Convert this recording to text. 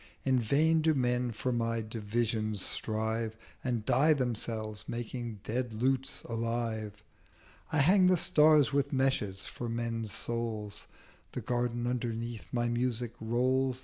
In vain do Men for my Divisions strive, And die themselves making dead Lutes alive: I hang the Stars with Meshes for Men's Souls: The Garden underneath my Music rolls.